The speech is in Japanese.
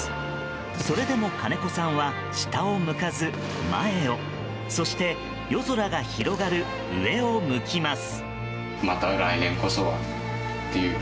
それでも金子さんは下を向かず、前をそして、夜空が広がる上を向きます。